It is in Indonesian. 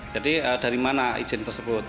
jadi dari mana izin tersebut